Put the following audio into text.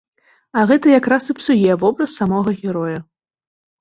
А гэта якраз і псуе вобраз самога героя.